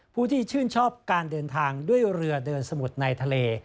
ผู้ที่ชื่นชอบการเดินทางด้วยเรือเดินสมุทรในทะเล